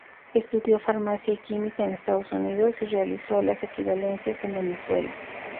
Estudió Farmacia y Química, en Estados Unidos y realizó las equivalencias en Venezuela.